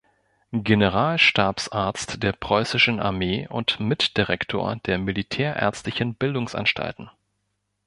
Generalstabsarzt der preußischen Armee und Mitdirektor der militärärztlichen Bildungsanstalten.